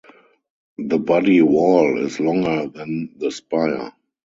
The body whorl is longer than the spire.